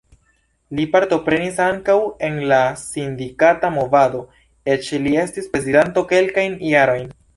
Li partoprenis ankaŭ en la sindikata movado, eĉ li estis prezidanto kelkajn jarojn.